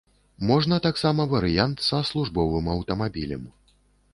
Можна таксама варыянт са службовым аўтамабілем.